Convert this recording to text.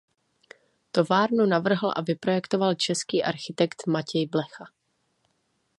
Továrnu navrhl a vyprojektoval český architekt Matěj Blecha.